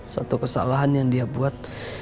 satu kesalahan yang dia buat